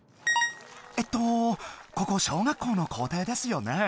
えっとここ小学校の校庭ですよね？